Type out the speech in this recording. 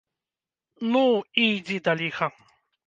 Ну, і ідзі да ліха!